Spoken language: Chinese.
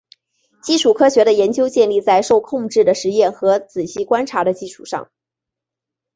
基础科学的研究建立在受控制的实验和仔细观察的基础上。